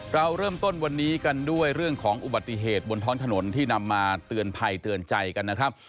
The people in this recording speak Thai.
เราเริ่มต้นวันนี้กันด้วยเรื่องของอุบัติเหตุบนท้องถนนที่นำมาเตือนภัยเตือนใจกันนะครับ